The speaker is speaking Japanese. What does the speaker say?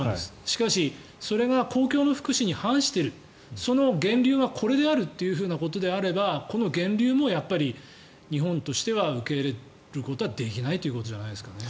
しかし、それが公共の福祉に反しているその源流がこれであるということであればこの源流も日本としては受け入れることはできないということじゃないですかね。